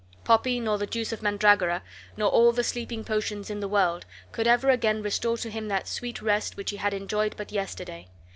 Poppy, nor the juice of mandragora, nor all the sleeping potions in the world, could ever again restore to him that sweet rest which he had enjoyed but yesterday.